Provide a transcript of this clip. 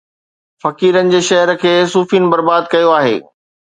فقيرن جي شهر کي صوفين برباد ڪيو آهي